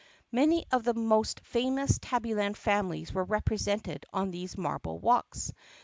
Many of the most famous Tabbyland families were represented on these marble walks.